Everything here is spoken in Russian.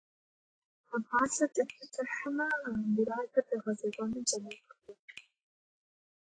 Продлевая этот срок, мы выигрываем время для реализации этих целей.